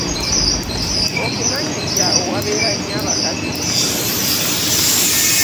Okimanyi nti awo wabeera nnyo abakazi ekiro.